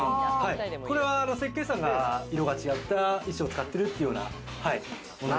これは設計士さんが、色が違った石を使っているっていうような。